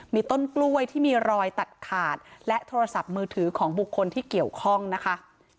มีต้นกล้วยที่มีรอยตัดขาดและโทรศัพท์มือถือของบุคคลที่เกี่ยวข้องนะคะ